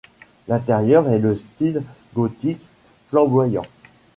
L'intérieur est de style gothique flamboyant.